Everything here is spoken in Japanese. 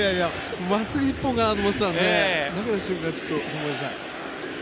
真っすぐ一本かなと思っていたので投げた瞬間、ちょっとごめんなさい。